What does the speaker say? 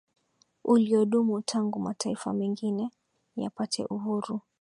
uliodumu tangu mataifa mengine yapate uhuru